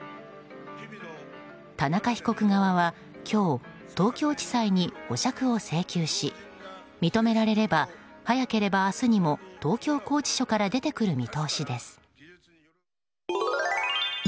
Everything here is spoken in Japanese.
田中被告側は今日東京地裁に保釈を請求し認められれば、早ければ明日にも東京拘置所から出てくる見通しです。